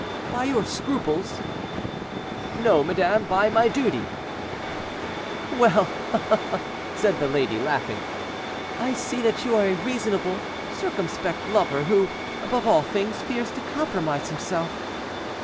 "By your scruples?" "No, madame, by my duty." "Well!" said the lady, laughing, "I see that you are a reasonable, circumspect lover, who, above all things, fears to compromise himself."